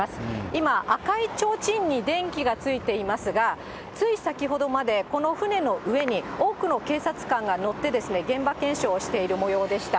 今、赤いちょうちんに電気がついていますが、つい先ほどまで、この船の上に多くの警察官が乗って現場検証をしているもようでした。